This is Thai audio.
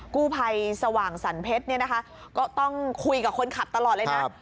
กู้ไพสว่างสันเพชรก็ต้องคุยกับคนขับตลอดเลยนะ